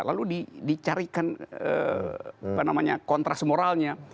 lalu dicarikan kontras moralnya